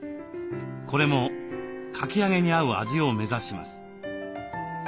これもかき揚げに合う味を目指します。